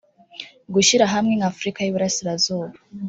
gushyira hamwe nka Afurika y’I Burasirazuba